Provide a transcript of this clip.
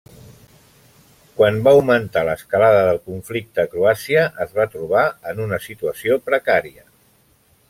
Quan va augmentar l'escalada del conflicte a Croàcia es va trobar en una situació precària.